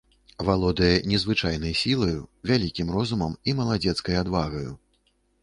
Валодае незвычайнай сілаю, вялікім розумам і маладзецкай адвагаю.